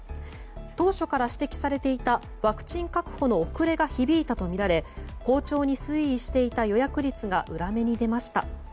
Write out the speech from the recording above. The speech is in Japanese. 当初から指摘されていたワクチン確保の遅れが響いたとみられ好調に推移していた予約率が裏目に出ました。